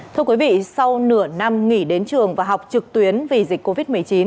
thưa quý vị sau nửa năm nghỉ đến trường và học trực tuyến vì dịch covid một mươi chín